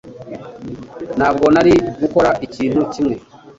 Ntabwo nari gukora ikintu kimwe